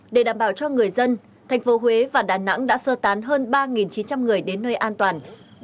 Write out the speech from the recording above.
để đảm bảo cho người dân thành phố huế và đà nẵng đã sơ tán hơn ba chín trăm linh người đến nơi an toàn